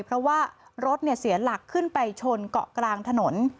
เพราะว่ารถเสียหลักขึ้นไปชนเกาะกลางถนน